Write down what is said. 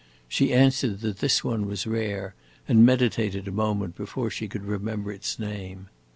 She answered that this one was rare, and meditated a moment before she could remember its name.